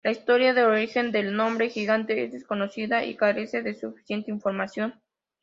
La historia del origen del nombre, "Gigante", es desconocida y carece de suficiente información.